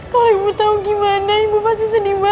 kalau ibu tahu gimana ibu pasti sedih mbak